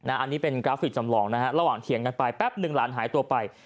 อันนี้เป็นกราฟิกจำลองนะฮะระหว่างเถียงกันไปแป๊บหนึ่งหลานหายตัวไป